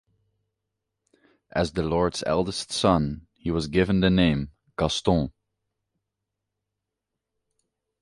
As the lord's eldest son, he was given the name, Gaston.